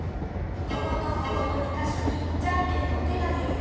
こことここの２かしょにじゃんけんのてがでるよ。